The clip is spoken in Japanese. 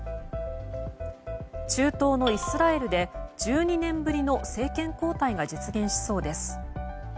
中東のイスラエルで１２年ぶりの政権交代が実現しそうです。